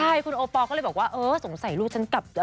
ใช่คุณโอปอลก็เลยบอกว่าเออสงสัยลูกฉันกลับ